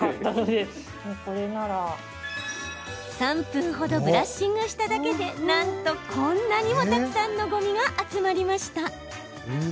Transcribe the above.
３分ほどブラッシングしただけでなんと、こんなにもたくさんのごみが集まりました。